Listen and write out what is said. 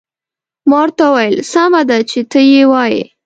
ما ورته وویل: سمه ده، چې ته يې وایې.